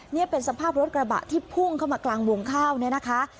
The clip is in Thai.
นี่เป็นสภาพรถกระบะที่พุ่งเข้ามากลางวงข้าวเนี่ยนะคะ